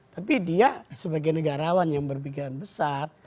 tapi dia sebagai negarawan yang berpikiran besar